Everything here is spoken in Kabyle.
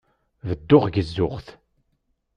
Bedduɣ gezzuɣ-t.